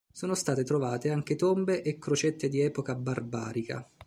Sono state trovate anche tombe e crocette di epoca barbarica.